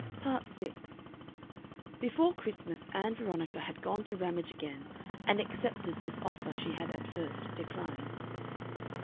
Part 6 Before Christmas Ann Veronica had gone to Ramage again and accepted this offer she had at first declined.